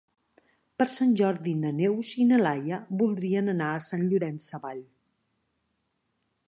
Per Sant Jordi na Neus i na Laia voldrien anar a Sant Llorenç Savall.